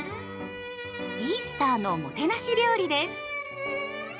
イースターのもてなし料理です。